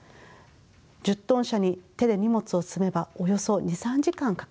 １０トン車に手で荷物を積めばおよそ２３時間かかります。